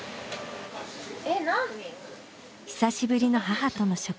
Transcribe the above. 久しぶりの母との食事。